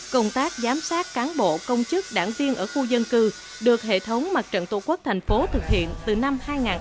công tác giám sát cán bộ công chức đảng viên ở khu dân cư được hệ thống mặt trận tổ quốc thành phố thực hiện từ năm hai nghìn một mươi ba